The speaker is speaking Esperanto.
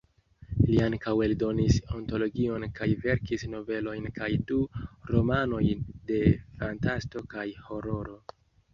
Li ankaŭ eldonis antologion kaj verkis novelojn kaj du romanojn de fantasto kaj hororo.